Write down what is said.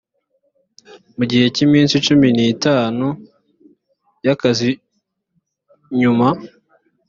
mu gihe cy iminsi cumi n itanu y akazi nyuma